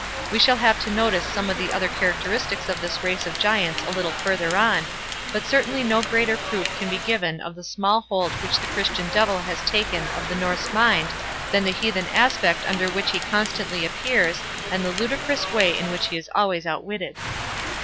We shall have to notice some other characteristics of this race of giants a little further on, but certainly no greater proof can be given of the small hold which the Christian Devil has taken of the Norse mind, than the heathen aspect under which he constantly appears, and the ludicrous way in which he is always outwitted.